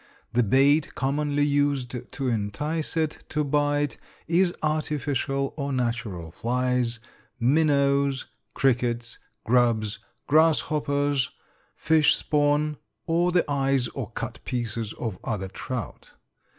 The bait commonly used to entice it to bite is artificial or natural flies, minnows, crickets, grubs, grasshoppers, fish spawn, or the eyes or cut pieces of other trout.